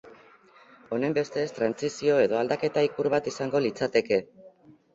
Honenbestez, trantsizio edo aldaketa ikur bat izango litzateke.